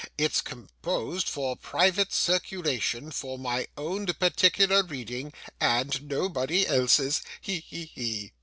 It's composed for private circulation, for my own particular reading, and nobody else's. He, he, he!